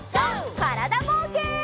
からだぼうけん。